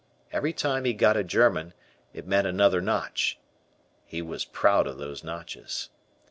Every time he got a German it meant another notch. He was proud of these notches.